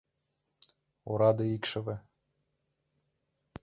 Ораде икшыве.